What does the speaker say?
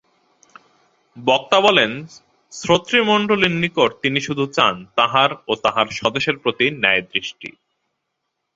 বক্তা বলেন, শ্রোতৃমণ্ডলীর নিকট তিনি শুধু চান তাঁহার ও তাঁহার স্বদেশের প্রতি ন্যায়দৃষ্টি।